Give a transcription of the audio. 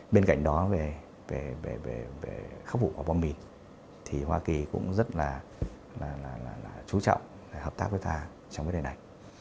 bên cạnh đó về khắc phục của bọn mình thì hoa kỳ cũng rất là chú trọng hợp tác với ta trong vấn đề này